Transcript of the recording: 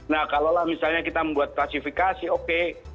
nah kalau misalnya kita membuat klasifikasi oke